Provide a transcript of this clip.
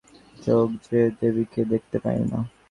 কিন্তু, বাইরের রূপ না হলে তাদের চোখ যে দেবীকে দেখতে পায় না।